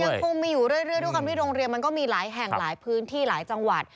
ยังคงมีอยู่เรื่อยด้วยความที่โรงเรียนมันก็มีหลายแห่งหลายพื้นที่หลายจังหวัด